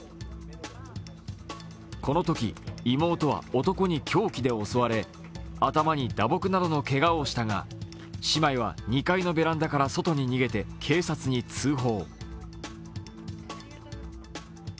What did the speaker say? このとき妹は男に凶器で襲われ頭に打撲などのけがをしたが姉妹は２階にベランダから外に逃げて警察に通報。